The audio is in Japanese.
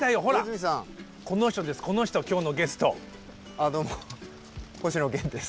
あどうも星野源です。